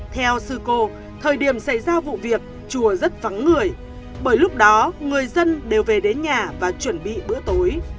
theo sư cô thời điểm xảy ra vụ việc chùa rất vắng người bởi lúc đó người dân đều về đến nhà và chuẩn bị bữa tối